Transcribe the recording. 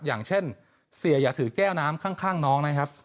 อย่างเช่นเสียอย่าถือแก้วน้ำข้างน้องนะครับ